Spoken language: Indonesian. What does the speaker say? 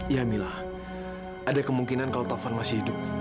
ya mila ada kemungkinan kalau taufan masih hidup